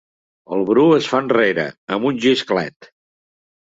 El Bru es fa enrere, amb un xisclet.